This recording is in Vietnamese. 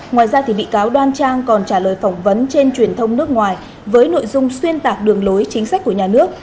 ngoài ra bị cáo đoan trang còn trả lời phỏng vấn trên truyền thông nước ngoài với nội dung xuyên tạc đường lối chính sách của nhà nước